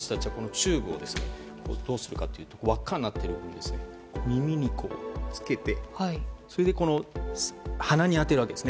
ですから私たちはこのチューブをどうするかというとわっかになっているんですが耳につけて、そして鼻に当てるわけです。